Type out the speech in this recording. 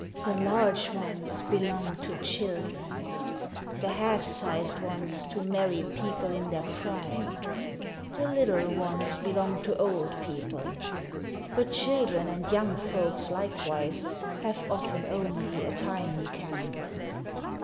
The large ones belong to children, the half sized ones to married people in their prime, the little ones belong to old people; but children and young folks likewise have often only a tiny candle."